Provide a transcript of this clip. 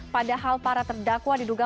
padahal para terdakwa diduga